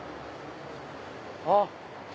あっ！